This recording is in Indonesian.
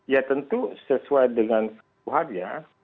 ya tentu sesuai dengan kesukuhannya